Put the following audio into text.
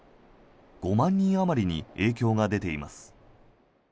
５万人あまりに影響が出ています。